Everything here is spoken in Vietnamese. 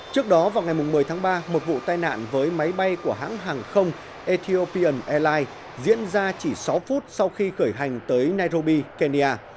trước đó vào ngày một mươi tháng ba một vụ tai nạn với máy bay của hãng hàng không ethiopian airlines diễn ra chỉ sáu phút sau khi khởi hành tới nairobi kenya